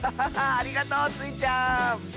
ありがとうスイちゃん！